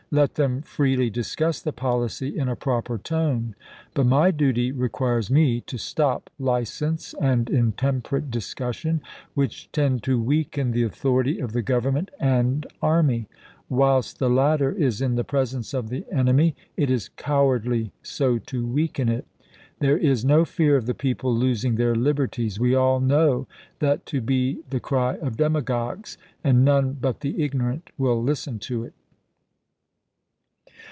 Let them freely discuss the policy in a proper tone j but my duty re quires me to stop license and intemperate discussion, which tend to weaken the authority of the Government and army : whilst the latter is in the presence of the enemy it is cowardly so to weaken it. .. There is no fear Hon?c. l. °f the People losing their liberties ; we all know that to ha^'^f" be the cry of demagogues, and none but the ignorant will pp. h, 43.'' listen to it.